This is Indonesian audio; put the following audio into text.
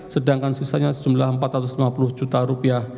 sedangkan sisanya sejumlah empat ratus lima puluh juta rupiah